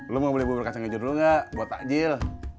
lo mau beli bubur kacanginjo dulu gak buat takjil